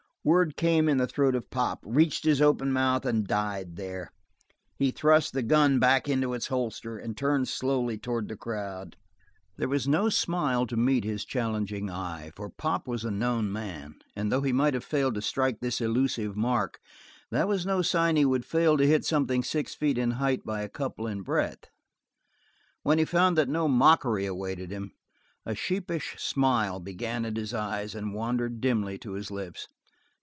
Words came in the throat of Pop, reached his opened mouth, and died there. He thrust the gun back into its holster, and turned slowly toward the crowd. There was no smile to meet his challenging eye, for Pop was a known man, and though he might have failed to strike this elusive mark that was no sign that he would fail to hit something six feet in height by a couple in breadth. When he found that no mockery awaited him, a sheepish smile began at his eyes and wandered dimly to his lips.